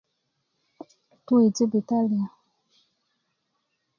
tu yi jibitalia